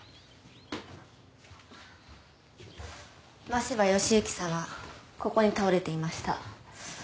真柴義之さんはここに倒れていました。